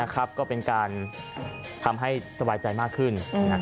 ก็เป็นการทำให้สบายใจมากขึ้น